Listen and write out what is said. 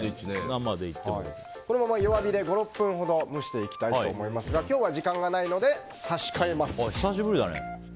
これも弱火で５６分ほど蒸していきますが今日は時間がないので差し替えます。